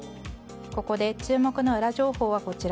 ここで注目のウラ情報はこちら。